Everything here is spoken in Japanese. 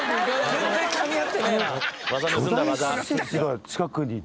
全然かみ合ってねえな。